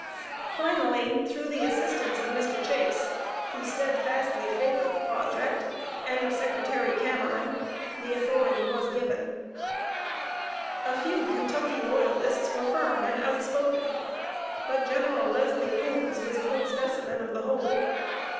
Finally, through the assistance of Mr. Chase, who steadfastly favored the project, and of Secretary Cameron, the authority was given. [Sidenote: TIMIDITY OF KENTUCKY UNIONISTS.] A few Kentucky Loyalists were firm and outspoken. But General Leslie Coombs was a good specimen of the whole.